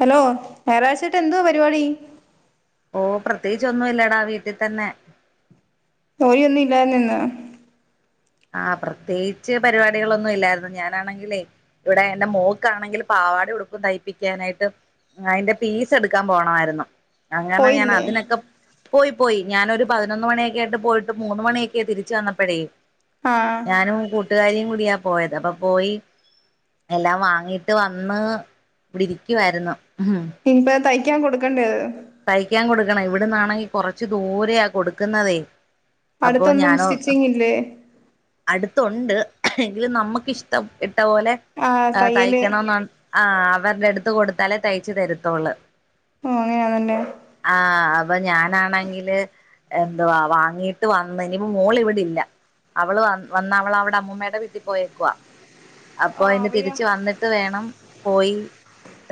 Hello ഞായറാഴ്ചയായ്ട്ട് എന്തുവാ പരിപാടി ഓ പ്രത്യേകിച്ച് ഒന്നും ഇല്ലടാ വീട്ടിൽ തന്നെ [unintelligible] യൊന്നും ഇല്ലായിരുന്നോ നിന്ന് ആഹ് പ്രത്യേകിച്ച് പരിപാടികളൊന്നും ഇല്ലായിരുന്നു ഞാനാണെങ്കിലേ ഇവിടെ എൻ്റെ മോക്ക് ആണെങ്കിൽ പാവാടി ഉടുപ്പും തയ്പ്പിക്കാനായിട്ട് അയിൻ്റെ പീസ് എടുക്കാൻ പോണമായിരുന്നു അങ്ങനെ ഞാൻ പോയില്ലേ അതിനൊക്കെ പോയി പോയി ഞാനൊര് പതിനൊന്ന് മണിയൊക്കെ ആയിട്ട് പോയിട്ട് മൂന്ന് മണിയൊക്കെ തിരിച്ച് വന്നപ്പോഴേ ആഹ് ഞാനും കൂട്ടുകാരിയും കൂ ടിയാ പോയത് അപ്പൊ പോയി എല്ലാം വാങ്ങിട്ട് വന്ന് ഇവിടിരിക്കുവായിരുന്നു ഇൻപത് തയ് പിക്കാൻ കൊടുക്കണ്ടേ അത് തയ്ക്കാൻ കൊടുക്കണം ഇവിടന്നാണെങ്കി കൊറച്ച് ദൂരെയ കൊടുക്കുന്നതേ അപ്പൊ അടുത്തൊന്നും സ്റ്റിച്ചിങ് ഇല്ലേ ത്തുണ്ട് എങ്കിലും നമുക്കിഷ്ടം ട്ട പോലെ ആഹ് തയ്യല് തയ്ക്കണം ന്നാണ് അവരുടെ അടുത്ത് കൊടുത്ത് ത്താലെ തയ്ച്ചു തരത്തൊള്ള് ആ ആഹ് അ അപ്പൊ ഞാനാണെങ്കില് എന്തുവാ വാങ്ങീട്ട് വന്ന് ഇനിപ്പോ മോള് ഇവിടില്ല അവള് വ വന്ന അവള് അവളവിടെ അമ്മൂമ്മയുടെ വീട്ടിൽ പോയേക്കുവാ അപ്പൊ ആഹ് അതിന് അവര് തിരിച്ച വന്നിട്ട് വേണം പോയി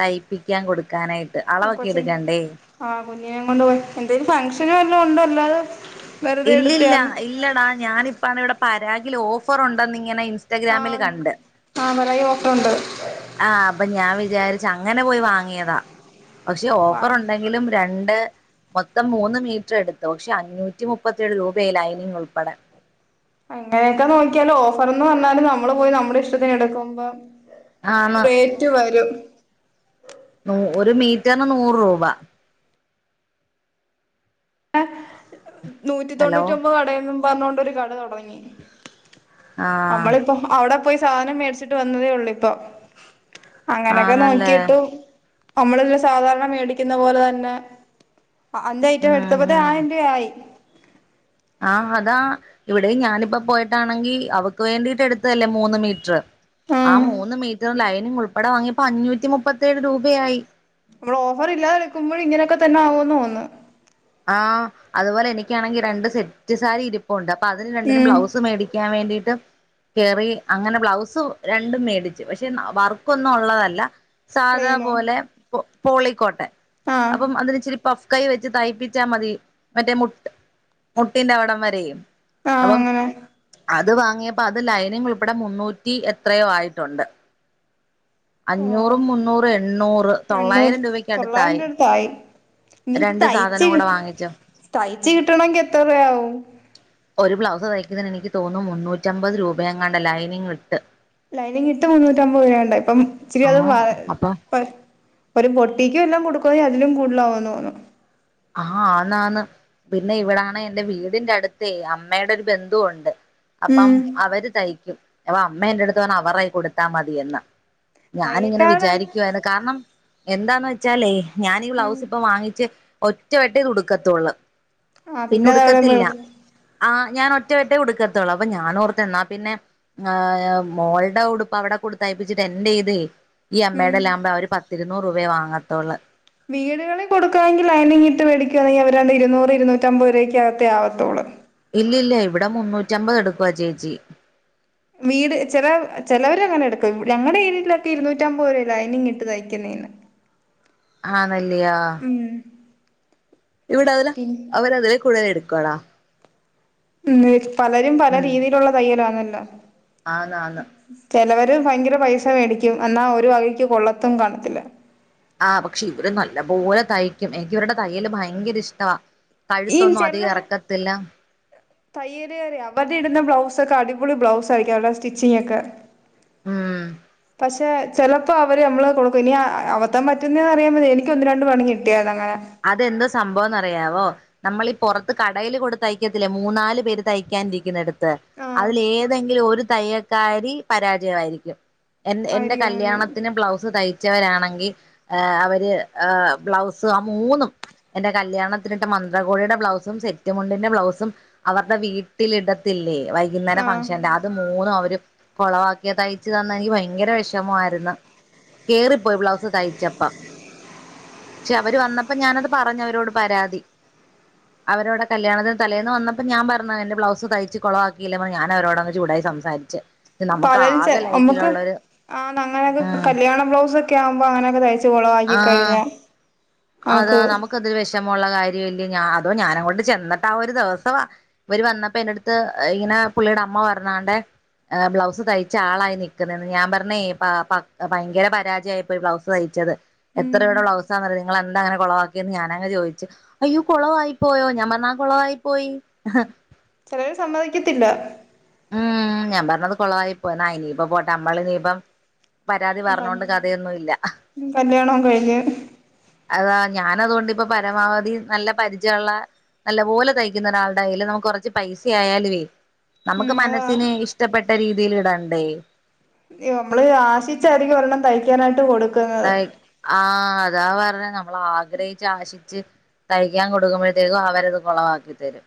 തയ്പ്പിക്കാൻ കൊടുക്കും എടുക്കാനായിട്ട് അളവൊക്കെ എടുക്കണ്ടേ ആ കുഞ്ഞിനെ കൊണ്ട് പോയി എന്തേും ഫംഗഷനും എല്ലാം ഉണ്ടോ അല്ലാതെ- വെറുതെ ഇല്ലല്ല എടുത്തയാന്നോ ഇല്ലടാ ഞാനിപ്പ ഇവിടെ- പരാഗിൽ ഓഫർ ഉണ്ട നി- ആ പറയൂ ഓഫറുണ്ട് വിചാരിച്ച അങ്ങനെ പോയി വാങ്ങിയതാ പക്ഷെ ഓഫർ ആഹ് ഉണ്ടെങ്കിലും രണ്ട്- മൊത്തം മൂന്ന് മീറ്റർ എടുത്തു പക്ഷെ അഞ്ഞൂറ്റ- നൂറ്റിമുപ്പത്തിഏഴ് രൂപയായി ലൈനിങ് ഉൾപ്പെടെ അങ്ങനെയൊക്കെ നോക്കിയാല ഓഫർന്ന് പറഞ്ഞാല് നമ്മള് പോയി നമ്മുടെ ഇഷ്ടത്തിന് എടുക്കുമ്പോ- ആണ് റേറ്റ് വരും ഒരു മീറ്ററിന് നൂറ് രൂപ ആ നൂറ്റി ഹലോ തൊണ്ണൂറ്റ ഒമ്പത് കടയും പറഞ്ഞോണ്ടൊരു കട തുടങ്ങി ആഹ് നമ്മളിപ്പോ അവിടെ പോയി സാധനം മേടിച്ചിട്ട് വന്നതേ ഉള്ളൂ ഇപ്പം അങ്ങനൊക്കെ ആണല്ലേ നോക്കിട്ടു- നമ്മളെല്ലാം സാധാരണ മേടിക്കുന്ന പോലെ തന്നെ. അന്നായിട്ടും ഉം എടു ത്തപ്പഴത്തെ ഉം ആയിരം രൂപ ആയി. ആഹ് അതാ ഇവിടെ ഞാനിയിപ്പോ പോയിട്ടാണെങ്കിൽ അവൾക്ക് വേണ്ടിട്ട് എടുത്തല്ലേ മൂന്ന് മീറ്ററ്. ആഹ് മൂന്ന് മീറ്റ റിന് ലൈനിങ് ഉൾപ്പെടെ വാങ്ങിയപ്പോ അഞ്ഞൂറ്റി മുപ്പത്തേഴ് രൂപയായി. നമ്മള് ഓഫർ ഇല്ലാതെ എടുക്കുമ്പോഴം ഇങ്ങനെയൊക്കെ തന്നെ ആകുന്നു തോന്നുന്നു. ആഹ് അതുപോലെ എനിക്കാണെങ്കിൽ രണ്ട് സെറ്റ് സാരിയും. ഉണ്ട് അപ്പൊ അതിന് രണ്ടിനും ഉം ബ്ലൗസ് മേടിക്കാൻ വേണ്ടിയിട്ട്. കേറി അങ്ങനെ ബ്ലൗസ് രണ്ടും മേടിച്ചു, പക്ഷെ വർക്കൊന്നും ഉള്ളതല്ല. പ്ലെയിനോ സാധാപോലെ പോ പോളി കോട്ടൺ ആഹ് അപ്പം അതിന് ഇച്ചിരി പുഫ്. കൈ വെച്ച് തുണി തൈപ്പി ച്ചാൽ മതി മറ്റേ മുട്ട് മുട്ടിന്റെ അവിടം വരെയും. ആഹ് അപ്പം അങ്ങനെ അത് വാങ്ങിയപ്പോ അത് ലൈനിങ് ഉൾപ്പെടെ മുന്നൂറ്റി എത്രയോ ആയിട്ടുണ്ട്. ഓ അഞ്ഞൂറും മുന്നൂറുംഎണ്ണൂറ് എണ്ണൂറ് തൊള്ളായിരം രൂപക്ക് തൊള്ളായിരം അടുത്തായി രൂപ ഇനി രണ്ട് സാധനം കൂടെ വാങ്ങിച്ച ച്ച് കിട്ടണമെങ്കിൽ എത്ര രൂപയാവും? ഒരു ബ്ലൗസ് തയ്ക്കുന്നതിന് എനിക്ക് തോന്നുന്നു മുന്നൂറ്റിമ്പത് രൂപയെങ്ങാണ്ട് ലൈനിങ് ഇട്ട്. ലൈനിങ്ങ്ഇട്ട് മുന്നൂറ്റി അമ്പത് രൂപങ്ങാണ്ടാ ഇപ്പം ഇച്ചരി അത് ആഹ് അപ്പൊ ഒരു പൊട്ടി ക്കെല്ലാം കൊടുക്കവാ അതിലും കൂടുതലാവുന്ന് തോന്നു. ആഹ് ആന്നാന്ന് പിന്നെ ഇവിടാണ് എന്റെവീടിന്റെ അടുത്ത് അമ്മടെ ഒരു ബന്ധുവുണ്ട്. അപ്പം അവര് തയ്ക്കും. അപ്പംഅമ്മഎന്റെ എടുത്ത് പറഞ്ഞു അവർടെകയ്യിൽ കൊടുത്താമതിയെന്ന്. ഞാനിങ്ങനെ തയ്യക്കാരൻ വിചാരിക്കുവായിരുന്ന് കാരണം എന്താന്ന് വെച്ചാലേ? ഞാനി ഈ ബ്ലൗസ് ഇപ്പം വാങ്ങിച്ച് ഒറ്റവെട്ടേ ഇത് ഉടുക്കത്തുള്ളു. ആ പിന്നെ [unintelligible] ആ ഞാൻ ഒറ്റ വെട്ടമേഉടുക്കത്തള്ളു. അപ്പൊ ഞാൻ ഓർത്തു എന്നാ പിന്നെ മോളുടെ ഉടുപ്പ് അവിടെ കൊടുത്തയപ്പിച്ചിട്ട് എന്റെ ഇതേ ഈ ഉം അമ്മടെല്ലാമ്പോ അവര് പത്തി നൂറുരൂപയേവാങ്ങത്തോള്ള് വീടുകളിൽ കൊടുക്കുണെങ്കിൽ ലൈനിങ് ഇട്ട് മേടിക്കുവാണെങ്കിൽ അവരാണ്ട് ഇരുന്നൂറ്, ഇരൂറ്റമ്പതു രൂപയക്കെ ആവത്തോള്ളൂ. ഇല്ല ഇല്ല ഇവിടെ മുന്നൂറ്റി അമ്പത് എടുക്കുവാ ആ ചേച്ചി. വീട് ചില ചിലവര് അങ്ങനെ എടുക്കും ഞങ്ങളുടെ ഏരിയയിലൊക്കെ ഇരുന്നൂറ്റി അമ്പത് രൂപയാ ലൈനിങ് ഇട്ട് തയ്ക്ക്ന്നേന്. ആഹ് നല്ലിയോ? ഇവിടെ അതില പിൻ അവർ അതില്കൂടുതല് എട് ക്കള [unintelligible] പലരും പല രീതിയിലുള്ള തയ്യലാ മ് ആന്നാന്ന് ചെലവ ഭയങ്കര പൈസ മേടിക്കും എന്നാ ഒരു വകയ്ക്കും, കൊള്ളത്തും, കാണത്തില്ല. ആഹ് പക്ഷെ ഇവര് നല്ല പോലെ തയ്ക്കും എനിക്ക് ഇവരുടെ തയ്യല് ഭയങ്കര ഇഷ്ടവാ. ൻ കഴുത്തൊന്നും ചില അധികം എറക്കത്തില്ല തയ്യല്കാരെ അവര് ഇടുന്ന ബ്ലൗസ് [unintelligible] അടിപൊളി ബ്ലൗസ് ആയിരിക്കും അവരുടെ സ്റ്റിച്ചിങ്ങ് ഒക്കെ. ഉം പക്ഷെ ചെലപ്പോ അവര് നമ്മള് കൊടുക്കും ഇനി അബദ്ധം പറ്റുന്നതാന്നോന്നറിയാപ. എനിക്ക് ഒന്ന് രണ്ട് പണികിട്ടിയതാ. അതെന്തോ സംഭവം എന്നറിയാവോ നമ്മളീ ഈ പുറത്ത് കടയിൽ കൊണ്ട്തയ്ക്കത്തില്ലേ മൂന്നാല് പേര് തയ്ക്കാനിരിക്കുന്നടുത്ത് ആഹ് അതിലെതെങ്കിലും ഒരു തയ്യൽക്കാരി പരാജയമായിരിക്കും എന്റെ ആയിരിക്കും അങ്ങനെ കല്യാണത്തിന് ബ്ലൗസ് തയ്ച്ചവരാണ് അവര് ബ്ലൗസ് മൂന്നും എന്റെ കല്യാണത്തിനിട്ട മന്ത്രകോടിയുടെ ബ്ലൗസും സെറ്റമുണ്ടിന്റെ ബ്ലൗസും അവരുടെ വീട്ടിലിടത്തില്ലേ വൈകുന്നേരം ആഹ് ഫംഗ്ഷന്റെ അത് മൂന്നും അവര് കൊളവാക്കിയ തയ്ച്ചു തന്നെ. എനിക്ക് ഭയങ്കര വിഷമമായിരുന്നു കേറിപ്പോയി ബ്ലൗസ് തയ്ച്ചപ്പ ക്ഷെ അവർ വന്നപ്പോ ഞാനത് പറഞ്ഞ് അവരോട് പരാതി അവരോടെ കല്യാണത്തിന് തലേന്ന് വന്നപ്പോ ഞാൻ പറഞ്ഞ എന്റെ ബ്ലൗസ് തയ്ച്ച് കുളവാക്കിയില്ലെ ഞാൻ അവരോടങ്ങ് ചൂടായി സംസാരിച്ച് നമുക്ക് പലരും ആകെ നമുക്ക് ലൈഫിലുള്ളൊരു ആ [unintelligible] ഉം കല്യാണ ബ്ലൗ കയാവുമ്പോ അങ്ങനൊ ആഹ് കുളവാക്കിക്കഴിഞ്ഞാ അതാ നമ്മുക്കതൊരു വിഷമം വെഷമാള്ള കാര്യല്ലേ അതോ ഞാനങ്ങോണ്ട് ചെന്നട്ട ആ ഒരു ദിവസം ഇവര് വന്നപ്പോ എന്റെ അടുത്ത് ഇങ്ങനെ പുള്ളിയുടെ അമ്മ പറഞ്ഞാ ബ്ലൗസ് തയ്ച്ച ആളായി നിക്കുന്നന്ന് ഞാൻ പറഞ്ഞേ ഭയങ്കര പരാജയമായിപ്പോയി ബ്ലൗസ് തയ്ച്ചത് എത്ര ഉം രൂപേടെ ബ്ലൗസാന്നറിയോ നിങ്ങളെന്താ അങ്ങനെ കുളവാക്കിയന്ന് ഞാനങ് ചോദിച്ചു അയ്യോ കുളവായി പോയോ ഞാൻ പറഞ്ഞു ആ കുളവായി പോയി ചിലര് സമ്മതിക്കത്തില്ല ഉം ഞാൻ പറഞ്ഞത് കുളവായി പോയിന്ന എനീപ്പത്പോട്ടെ നമ്മള് പരാതി പറഞ്ഞോണ്ട് കഥയൊന്നും ഇല്ല കല്യാണം കഴിഞ്ഞ് അതാ ഞാൻ അതുകൊണ്ട് ഇപ്പ പരമാവധി നല്ല പരിചയമുള്ള നല്ല പോലെ തയ്ക്കുന്ന ഒരാളുടെ കയ്യിൽ നമുക്ക് കുറച്ച് പൈസ ആയാലുവേ നമുക്ക് ഉം അതാ മനസ്സിന് ഇഷ്ടപ്പെട്ട രീതി ഇതിൽ ഇടണ്ടേ നമ്മള് ആശിച്ചായിരിക്കും ഒരെണ്ണം തയ്ക്കാനായിട്ട് കൊടു [unintelligible] അതാ പറഞ്ഞ നമ്മള ആഗ്രഹിച്ച ആശിച്ച് തയ്ക്കാൻ കൊടുക്കുമ്പോഴത്തേക്കും അവരത് കൊളവാക്കി തരും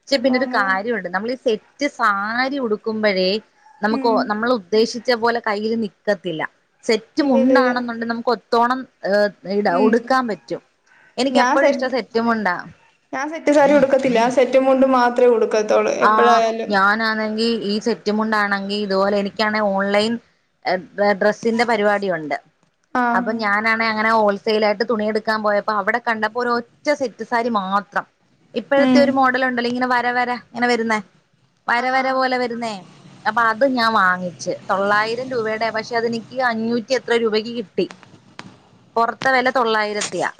പക്ഷെ അപ്പൊ പിന്നെ ഒരു അങ്ങനെ കാര്യമുണ്ട് നമ്മൾ ഈ സെറ്റ് സ ഉടുക്കുമ്പോഴേ നമുക്ക് ഉം നമ്മൾ ഉദ്ദേശി വിചാരിച്ചതുപോലെ കയ്യിൽ നിക്കത്തില്ല സെറ്റും ഉണ്ടാണെന്ന് നമുക്ക് ഒത്തോണം ഇട ഉ ഉടുക്കാൻ പറ്റും എനിക്ക് ഞാൻ എപ്പോഴും ഇഷ്ടം സെറ്റുമുണ്ടാ സെറ്റ് സാരി ഉടുക്കത്തില്ല ആ സെറ്റ് മുണ്ട് മാത്ര ഒടുക്ക ആഹ ഞാനാണെങ്കിൽ ഈ സെറ്റും കൊണ്ടാണെങ്കിൽ ഇതുപോലെ എനിക്കാണ ഓൺലൈൻ ഡ്രസ്സിന്റെ പരിപാടിിയ ഉണ്ട് ആഹ് അപ്പൊ ഞാനാണെ അങ്ങനെ ഹോൾ സെയിലായിട്ട് തുണിയെടുക്കാൻ പോയപ്പോ അവിടെ കണ്ടപ്പോ ഒരൊറ്റ സെറ്റ് സാരി മാത്രം ഇപ്പഴത്തെ ഉം ഒരു മോഡൽ ഉണ്ടല്ലോ ഇങ്ങനെ വ ര വരാ ഇങ്ങനെ വരുന്നേ വരവര ആഹ് പോലെ വരുന്നേ അപ്പൊ അത് ഞാൻ വാങ്ങിച്ച് തൊള്ളായിരം രൂപേടെ പക്ഷെ അതെനിക്ക് അഞ്ഞൂറ്റി എത്ര രൂപക്ക് കിട്ടി പൊറത്തെ വെല തൊള്ളായിരത്തിയാ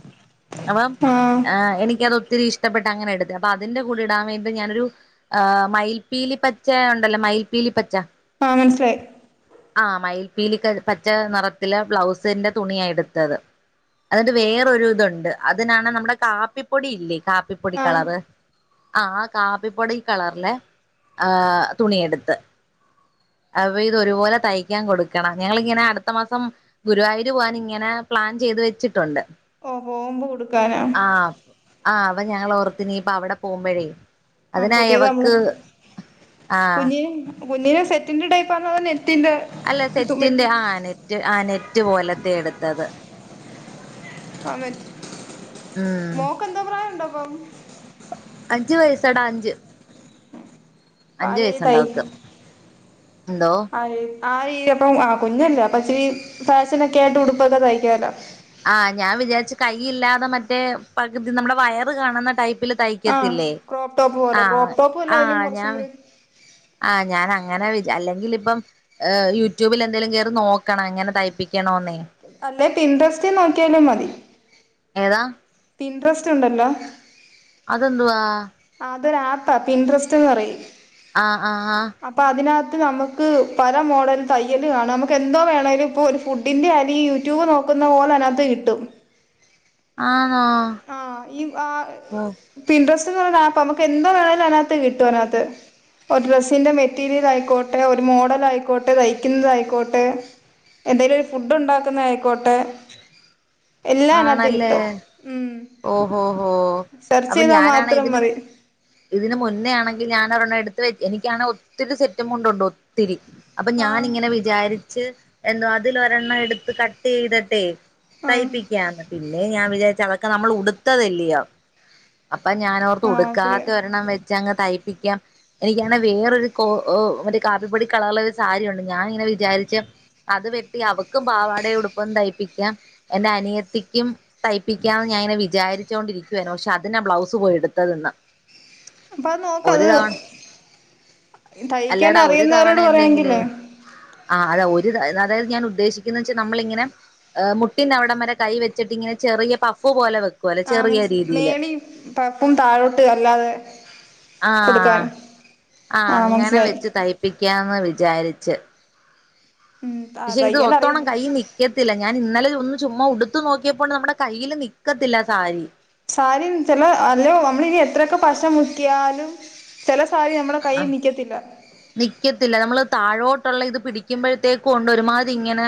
അവം ആഹ് ആ എനിക്കത് ഒ ത്തിരി ഇഷ്ടപ്പെട്ട് അങ്ങനെടുത്ത് അപ്പ അതിന്റെ കൂടി ഇടാൻ വേണ്ടി ഞാനൊരു ആ മയിൽപ്പീലി പച്ച ഉണ്ടല്ലോ മയിൽപ്പീലി പച്ച ആഹ് മനസിലായി ആഹ് മയിൽപ്പീലി ക പച്ച നിറത്തിലെ ബ്ലൗസിന്റെ തുണിയ എടുത്തത് അതിട്ട് വേറൊരു ഇതുണ്ട് അതിനാണ് നമ്മുടെ കാപ്പിപ്പൊടി ഇല്ലേ കാപ് പ്പിപ്പൊടി ആഹ് കളറ് ആഹ് കാപ്പിപ്പൊടി കളറിലെ ആ തുണിയെടുത്ത് അപ്പ ഇതൊരുപോലെ തയ്ക്കാൻ കൊടുക്കണം ഞങ്ങളിങ്ങനെ അടുത്ത മാസം ഗുരുവായൂര് പോകൻ ഇങ്ങനെ പ്ലാൻ ചെയ്ത് വെച്ചിട്ടുണ്ട് [unintelligible] ക്കാന ആഹ് ആഹ് അവ ഞങ്ങള് ഓർത്ത് ഇനീപ്പ അവടെ പോവുമ്പഴേ ആ പുതിയ നമ്മള് ആഹ് കുഞ്ഞി കുഞ്ഞിനെ സെറ്റ് ത്തിന്റെടൈപ്പാന്നോ [unintelligible] അല്ല സെറ്റിന്റെ ആ നെറ്റ് ആ നെ റ്റ് പോലത്തെ എട്ത്തത് ആ [unintelligible] ഉം മോക്കെന്തോ പ്രായണ്ട് ഇപ്പം അഞ്ചു വയസാട അഞ്ച് അഞ്ചു പാതിയേ വയസ്സുണ്ട് തയ് അവക്ക് എന്തോ ആയ് ആ രീ [unintelligible] അപ്പം ആ കുഞ്ഞല്ലേ അപ്പച്ചിരി ഫാഷനൊക്കെ ആയിട്ട് ഉടുപ്പൊക്കെ തയ്ക്കാല്ലോ ആഹ് ഞാൻ വിചാരിച്ചു കൈയില്ലാതെ മറ്റേ പകുതി നമ്മുടെ വയറ് കാണുന്ന ടൈപ്പ് പ്പില് ആ തൈക്കത്തില്ലേ ക്രോപ്പ് ടോപ്പ് പോലെ ആ ക്രോപ്പ് ടോപ്പ് അല്ല ആ അതിലും ഞാ കുറച്ചും കൂടി ആ ഞാനങ്ങനെ വി അല്ലെങ്കിൽ ഇപ്പം യൂട്യൂബിൽ എന്തെങ്കലും കേറി നോക്കണം എങ്ങനെ തൈപ്പി ക്കണോന്നേ ല്ലേ പിൻഡ്രസ്റ്റ് നോക്കിയാലും മതി ഏതാ പിൻട്രസ്റ്റ് ണ്ടല്ലോ അതെന്തുവാ അതൊരാപ്പാ പിൻട്രസ്റ്റ്ന്ന് പറയും ആഹ് ആഹ് ആഹ് ത്ത് നമ്മക്ക് പല മോഡല് തയ്യല് കാണാം മ്മക്ക് എന്തോ വേണേലും ഇപ്പോ ഒരു ഫുഡിൻ്റെ ആലും ഈ യൂട്യൂബ് നോക്കുന്ന പോലെ അതിനാത്ത് കിട്ടും ആഹ് ആഹ് ഈ ആഹ് പിൻഡ്ര [unintelligible] ആപ്പാ നമുക്ക് എന്തോ വേണേലും അയ്നാത്ത് കിട്ടും അയ്നാത്ത് ഒരു ഡ്രസ്സിന്റെ മെറ്റീരിയലായിക്കോട്ടെ ഒരു മോഡലായിക്കോട്ടെ തയ്ക്കുന്നതായിക്കോട്ടെ എന്തെലും ഒരു ഫുഡ് ഉണ്ടാക്കുന്നായിക്കോട്ടെ എല്ലായ്നാത്ത്കിട്ടും ഓഹോ ഹോ അപ്പൊ ചെയ്താ ഞാനാണെ മാത്രം ഇതിന് മതി ഇതിന് മുന്നേ ആണെ--ങ്കിലേ ഞാാനൊരെണ്ണം എടുത്ത് വ എനിക്കാണെ ഒത്തിരി സെറ്റും മുണ്ടുണ്ട് ഒത്തിരി അപ്പൊ ആഹ് ഞാനിങ്ങനെ വിചാരിച്ച് എന്തോ അതിലൊരെണ്ണം എടുത്ത് കട്ട് ചെയ്തിട്ടെ ആഹ് തയിപ്പിക്കാം പി ല്ലേ ഞാൻ വിചാരിച്ച് അവ നമ്മൾ ഉടുത്തതല്ലിയോ അപ്പ ഞാനോർത്ത് ആഹ് ശരിയാ ഉടുക്കാത്ത ഒരെണ്ണം വെച്ചങ്ങ് തൈ പ്പിക്കാം എനിക്കാണെ വേറൊരു കോ ഓ മറ്റേ കാപ്പിപ്പൊടി കളറ്ല് ഒരു സാരിയൊണ്ട് ഞാനിങ്ങനെ വിചാരിച്ച് അത് വെട്ടി അവക്കും പാവാടെ ഉടുപ്പും തയ്പ്പിക്കാം എന്റെ അനിയത്തിക്കും തയ്പി ക്കാന്ന് ഞാനിങ്ങനെ വിചാരിച്ചോണ്ടിരിക്കുവാരുന്നു പക്ഷെ അതിനാ ബ്ലൗസ് പോയിടുത്തതിന്ന് അപ്പ അത് നോക്കത് തയ്ക്കൻ അല്ലടാ ഒരു തവണ അറിയുന്നവരോട് എന്തെങ്കിലും പറയാങ്കില്ലേ ആ അത ഒരു ത അതായത് ഞാൻ ഉദ്ദേശിക്കുന്നച്ചാ നമ്മളിങ്ങനെ അ മുട്ടിന്റവിടം വരെ കൈ വെച്ചിട്ടിങ്ങനെ ചെറിയ പ ഫ് പോലെ വെ ആ മനസി മേളി പപ്പും താഴോട്ട് അല്ലാതെ കൊടുക്കാൻ ആഹ് ആഹ് അങ്ങനെ വെച്ച് തയ്പ്പിക്കാം ന്ന് വിചാരിച്ച് ഉം ഷെ ഇത് ഒത്തോണം തയ്യലറിയാം കൈ നിക്കത്തില്ല ഞാൻ ഇന്നലെ ഒന്ന് ചുമ്മ ഉടുത്തു നോക്കിയപ്പോണ്ട് നമ്മുടെ കൈയില് നിക്കത്തില്ല സാരി സാരിം ചെല അല്ലൊ അമ്മളിനി എത്രയൊക്കെ പശ മുക്കിയാലും ചെല സാരി നമ്മടെ കൈയി നിക്കത്തില്ല ത്തില്ല നമ്മള് താഴോട്ട്ള്ള ഇത് പിടിക്കിംമ്പഴ് ത്തേക്കോണ്ട് ഒരുമാതി ഇങ്ങനെ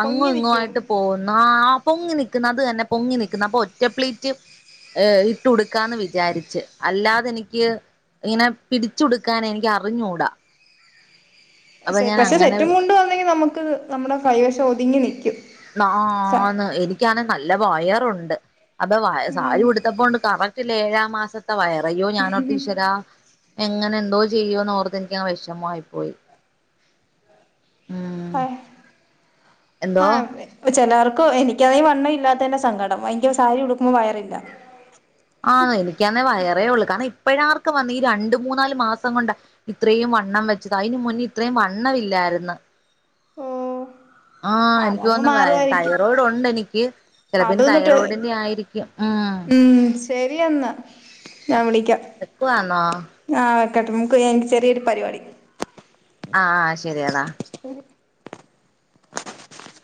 അങ്ങും പൊങ്ങി നിക്കും ഇങ്ങുവായിട്ട് പോകുന്നു ആഹ് പൊങ്ങി നിക്കുന്നു അത് തന്നെ പൊങ്ങി നിക്ക്ന്ന് അത് തന്നെ പൊങ്ങി നിക്ക് ന്ന് അപ്പൊ ഒറ്റ പ്ലേറ്റ് ഇട്ട് ഉടുക്കാന്ന് വിചാരിച്ച് അല്ലാതെനിക്ക് ഇങ്ങനെ പിടിച്ചുടുക്കാൻ എനിക്ക് അറിഞ്ഞൂടാ അപ്പൊ സെ ഞാൻ പക്ഷെ അങ്ങനെ സെറ്റും മുണ്ട് ആന്നെങ്കി നമുക്ക് ക്ക് നമ്മുടെ പഴേശോതുങ്ങി നിക്കും ആ ആന്ന് എനിക്കാണെ നല്ല നല്ല വയറുണ്ട് അതോ വയ ഉം സാരി കൊടുത്തപ്പോ കാണാൻ ഏഴാം മാസ വയറ അയ്യോ ഞാനോർത്തു ഈശ്വരാ എങ്ങനെ എന്തോ ചെയ്യോന്ന് ഓർത്ത് എനിക്കങ്ങ് വിഷമംആയിപ്പോയി ആ എന്തോ ആ ചെല്ലവർ എനിക്ക് എനിക്കാണെങ്കിൽ വണ്ണം ഇല്ലാത്തതിന്റെ സങ്കടം എനിക്ക് സാരി ഉടുക്കുമ്പോ വയറില്ല ആന്നോ എനിക്കാണെങ്കിൽ വയറേ ഉള്ളു കണ ഇപ്പോഴാർക്ക് വന്ന ഈ രണ്ട് മൂന്നാല് മാസം കൊണ്ട് ഇത്രയും വണ്ണം വെച്ചത് അതിന് മുന്നേ ഇത്രയും വണ്ണമല്ലായിരുന്നു ആ ആ എന്തുവാന്നോ തൈറോയ്ഡ് ഉണ്ട് എനിക്ക് ചിലപ്പോ ഇനി അതൊന്നിട്ട് തൈറോയ്ഡിന്റെ ആയിരിക്കും ഉം ഞാൻ വെക്കുവാന്നോ. കേട്ട നമുക്ക് എനി [unintelligible] ചെറിയൊരു പരിപാടി ആ ശരിയടാ [inaudible]